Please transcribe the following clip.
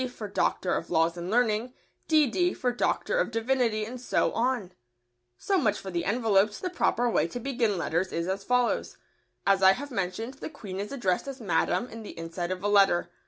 for Doctor of Laws and Learning, D.D. for Doctor of Divinity and so on. [Sidenote: Beginning the letter.] So much for the envelopes. The proper way to begin letters is as follows. As I have mentioned, the Queen is addressed as "Madam" in the inside of a letter.